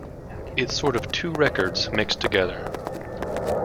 It's sort of two records mixed together.